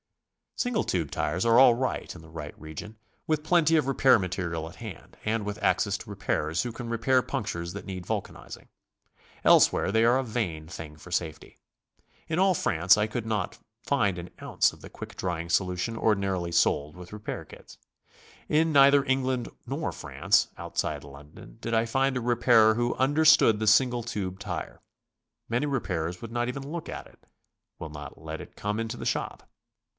.Single tube tires are all right in the right region, with plenty of repair material at hand, and with access to repairers who can repair punctures that need vulcanizing. Elsewhere they are a vain thing for safety. In all France I could not find an ounce of the quick drying solution ordinarily sold with repair kits. In neither England nor France, outside London, did I find a repairer who understood the single tube tire. Many repairers will not even look at it, will not let it come into the shop.